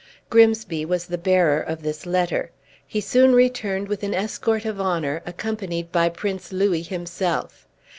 Grimsby was the bearer of this letter. He soon returned with an escort of honor, accompanied by Prince Louis himself.